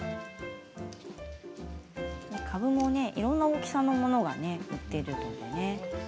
かぶもいろいろな大きさのものが売っているのでね。